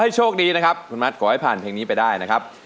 โปรดติดตามันที่๓นสวัสดีครับ